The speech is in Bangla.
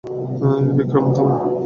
বিক্রম, থামো!